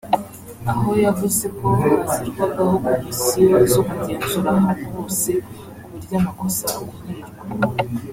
aho yavuze ko hashyirwagaho Komisiyo zo kugenzura ahantu hose ku buryo amakosa akumirwa